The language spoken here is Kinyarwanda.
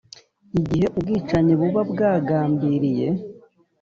Igihe ubwicanyi buba bwagambiriye